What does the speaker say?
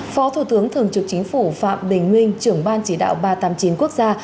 phó thủ tướng thường trực chính phủ phạm bình minh trưởng ban chỉ đạo ba trăm tám mươi chín quốc gia